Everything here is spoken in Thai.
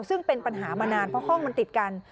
ซึ่งเป็นปัญหามานานเพราะห้องมันติดกัน